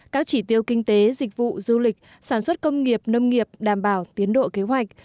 các chỉ tiêu kinh tế dịch vụ du lịch sản xuất công nghiệp nông nghiệp đảm bảo tiến độ kế hoạch